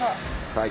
はい。